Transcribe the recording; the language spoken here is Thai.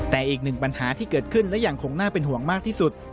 แต่อีกหนึ่งปัญหาที่เกิดขึ้นและยังคงน่าเป็นห่วงมากที่สุด